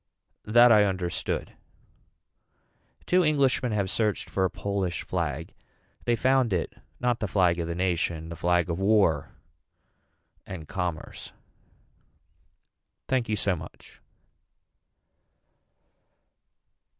That I understood. Two Englishmen have searched for a Polish flag. They found it not the flag of the nation the flag of war and commerce. Thank you so much.